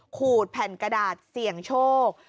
ขูดแผ่นกระดาษเสี่ยงโชค